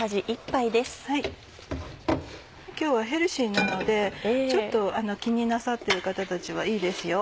今日はヘルシーなのでちょっと気になさってる方たちはいいですよ。